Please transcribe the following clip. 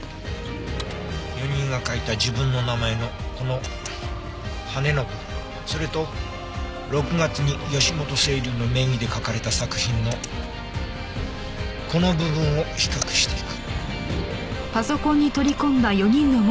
４人が書いた自分の名前のこの「はね」の部分それと６月に義本青流の名義で書かれた作品のこの部分を比較していく。